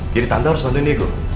jadi tante harus bantuin diego